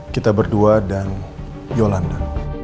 kita berdua dan yolanda